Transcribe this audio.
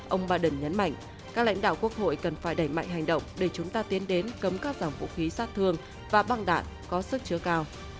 ông biden nhấn mạnh các lãnh đạo quốc hội cần phải đẩy mạnh hành động để chúng ta tiến đến cấm các dòng vũ khí sát thương và băng đạn có sức chứa cao